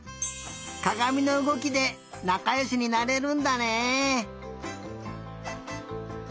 かがみのうごきでなかよしになれるんだね。